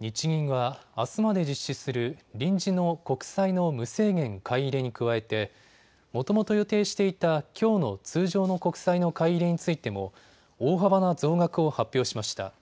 日銀は、あすまで実施する臨時の国債の無制限買い入れに加えてもともと予定していたきょうの通常の国債の買い入れについても大幅な増額を発表しました。